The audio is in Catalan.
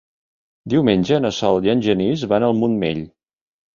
Diumenge na Sol i en Genís van al Montmell.